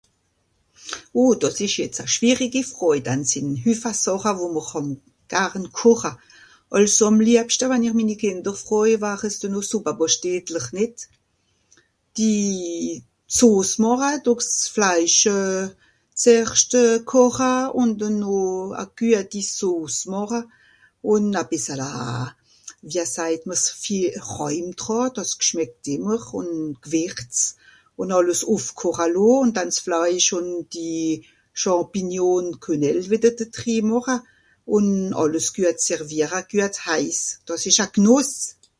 Oh dàs ìsch jetz a schwierigi froj dann 's sìnn Hüffa sàcha, wo mr hàn garn kocha. Àlso àm liebschta, wenn ich minni Kìnder froj war's dennoh Sùppapàschtetler, nìt ? Die Sos màcha, dùrch s'Fleisch zeerscht kocha, ùn dennoh a güati Sos màcha, ùn a bìssala... wia sajt mr ?(...) dàs schmeckt ìmmer ùn gwìrz ùn àlles ùffkocha lo, ùn dànn s'Fleisch ùn die champignon quenelle wìdder dedrii màcha ùn àlles güet seviara güet heis. Dàs ìsch a Gnùss !